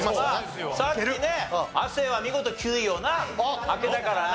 さっきね亜生は見事９位を開けたからな。